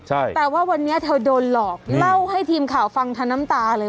ใช่แต่ว่าวันนี้เธอโดนหลอกเล่าให้ทีมข่าวฟังทันน้ำตาเลย